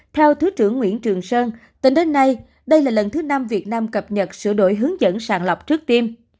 theo thứ trưởng nguyễn trường sơn tính đến nay đây là lần thứ năm việt nam cập nhật sửa đổi hướng dẫn sàng lọc trước tim